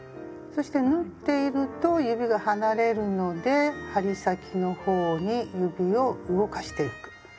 そして縫っていると指が離れるので針先の方に指を動かしてゆく。